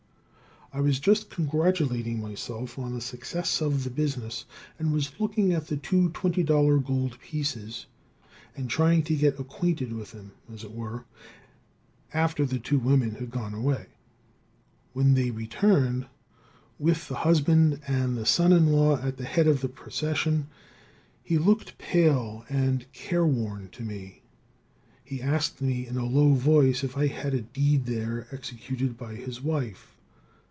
I was just congratulating myself on the success of the business, and was looking at the two $20 gold pieces and trying to get acquainted with them, as it were, after the two women had gone away; when they returned with the husband and son in law at the head of the procession. He looked pale and careworn to me. He asked me in a low voice if I had a deed there, executed by his wife.